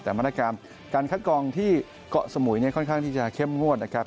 แต่มาตรการการคัดกองที่เกาะสมุยค่อนข้างที่จะเข้มงวดนะครับ